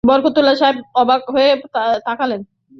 বরকতউল্লাহ সাহেব অবাক হয়ে তাকালেন।